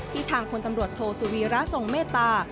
ทางพลตำรวจโทสุวีระทรงเมตตา